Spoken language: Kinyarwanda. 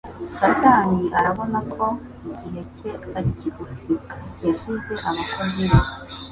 Satani arabona ko igihe cye ari kigufi. Yashyize abakozi be.